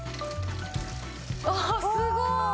あっすごい！